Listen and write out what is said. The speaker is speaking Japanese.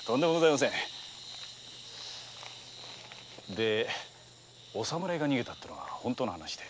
でお侍が逃げたってのは本当の話で？